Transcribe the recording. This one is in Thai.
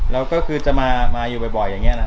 แล้วก็คือจะมาอยู่บ่อยอย่างนี้นะครับ